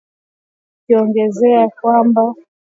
ikitaja madai hayo kuwa si ya kweli ikiongezea kwamba